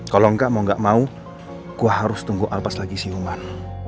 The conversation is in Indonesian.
kalo engga mau gak mau gue harus tunggu alpas lagi si umar